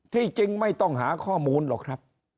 ที่จริงไม่ต้องหาข้อมูลหรอกครับ